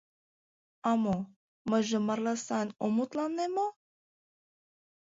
А мо, мыйже марла сайын ом мутланЕ мо?